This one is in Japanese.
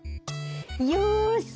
よし！